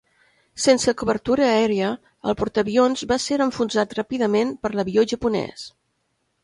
Sense cobertura aèria, el portaavions va ser enfonsat ràpidament per l'avió japonès.